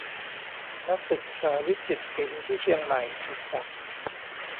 นักศึกษาวิจิตรศิลป์ที่เชียงใหม่ ถูกจับ